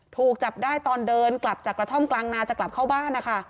ถูกจับได้ตอนเดินกลับจากกระท่อมกลางนาจะกลับเข้าบ้านนะคะ